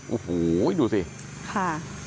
โอ้โหดูสิค่ะ